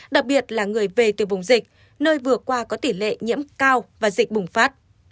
đặc biệt là người về từ vùng dịch nơi vừa qua có tỷ lệ nhiễm cao và dịch bùng phát